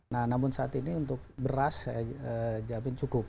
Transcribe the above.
nah namun saat ini untuk beras saya jamin cukup